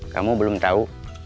kamu belum tahu